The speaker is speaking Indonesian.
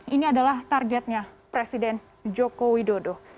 ini adalah targetnya presiden joko widodo